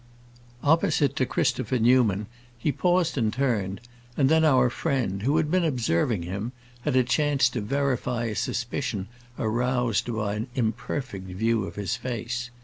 Opposite to Christopher Newman he paused and turned, and then our friend, who had been observing him, had a chance to verify a suspicion aroused by an imperfect view of his face.